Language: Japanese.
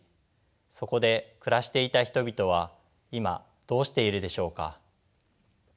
そこで暮らしていた人々は今どうしているでしょうか？